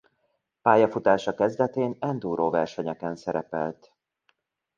Pályafutása kezdetén enduro-versenyeken szerepelt.